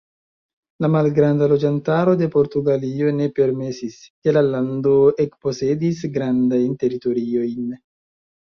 La malgranda loĝantaro de Portugalujo ne permesis, ke la lando ekposedis grandajn teritoriojn.